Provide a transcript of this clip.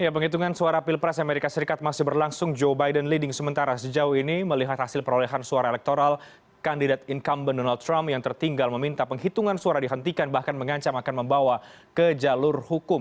penghitungan suara pilpres amerika serikat masih berlangsung joe biden leading sementara sejauh ini melihat hasil perolehan suara elektoral kandidat incumbent donald trump yang tertinggal meminta penghitungan suara dihentikan bahkan mengancam akan membawa ke jalur hukum